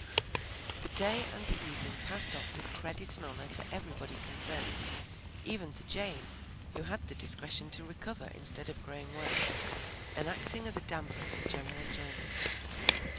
The day and the evening passed off with credit and honor to everybody concerned, even to Jane, who had the discretion to recover instead of growing worse and acting as a damper to the general enjoyment.